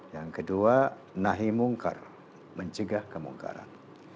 yang kedua nahi mungkar mencegah kemungkaran